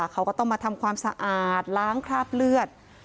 เขาก็ต้องมาทำความสะอาดล้างคราบเลือด